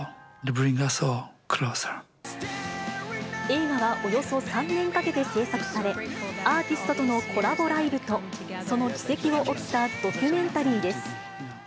映画はおよそ３年かけて制作され、アーティストとのコラボライブと、その軌跡を追ったドキュメンタリーです。